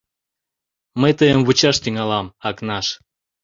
— Мый тыйым вучаш тӱҥалам, Акнаш!